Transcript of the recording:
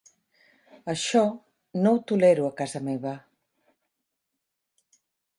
Això no ho tolero a casa meva.